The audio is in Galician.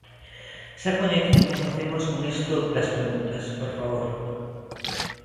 Xa coñecen como facemos con isto das preguntas, por favor.